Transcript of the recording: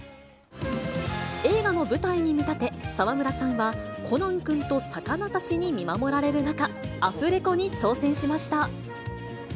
映画の舞台に見立て、沢村さんは、コナン君と魚たちに見守られる中、アフレコに挑戦しました。